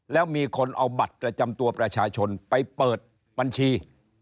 แล้วมีคนเอาบัตรประจำตัวประชาชนไปเปิดบัญชี